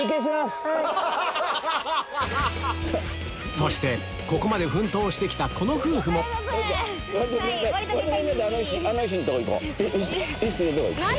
そしてここまで奮闘してきたこの夫婦もさっきみたいに。